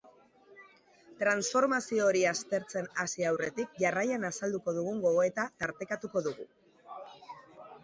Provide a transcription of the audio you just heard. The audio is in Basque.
Transformazio hori aztertzen hasi aurretik, jarraian azalduko dugun gogoeta tartekatuko dugu.